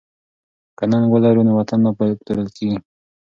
که ننګ ولرو نو وطن نه پلورل کیږي.